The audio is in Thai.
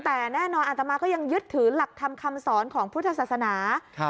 แต่แน่นอนอาตมาก็ยังยึดถือหลักธรรมคำสอนของพุทธศาสนา